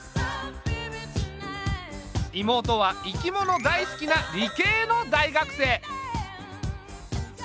妹は生き物大好きな理系の大学生。